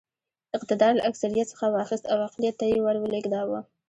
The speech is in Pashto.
اقتدار له اکثریت څخه واخیست او اقلیت ته یې ور ولېږداوه.